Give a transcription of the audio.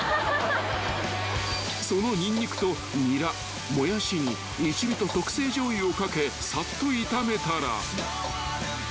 ［そのニンニクとニラモヤシに一味と特製じょうゆを掛けさっと炒めたら］